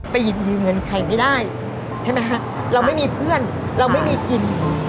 ไปหยิบอยู่เงินใครไม่ได้ครับเราไม่มีเพื่อนเราไม่มีกิน